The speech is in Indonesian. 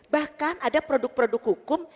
bahkan ada produk produk hukum